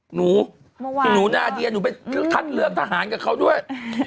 หนูหนูนาเดียหนูเป็นท่านเลือกทหารกับเขาด้วย